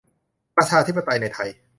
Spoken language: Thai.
ประชาธิปไตยในไทย